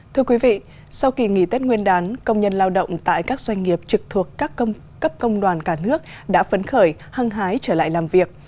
thưa quý vị sau kỳ nghỉ tết nguyên đán công nhân lao động tại các doanh nghiệp trực thuộc các cấp công đoàn cả nước đã phấn khởi hăng hái trở lại làm việc